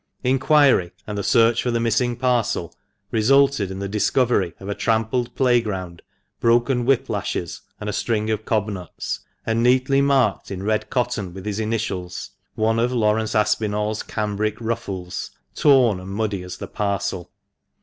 Inquiry, and the search for the missing parcel, resulted in the discovery of a trampled playground, broken whiplashes, a string of cobnuts, and, neatly marked in red cotton with his initials, one of Laurence Aspinall's cambric ruffles, torn and muddy as the parcel.